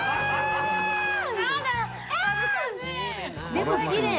でもきれい。